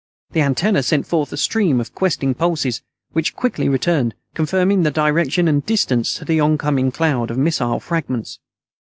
The antenna sent forth a stream of questing pulses, which quickly returned, confirming the direction and distance to the oncoming cloud of missile fragments.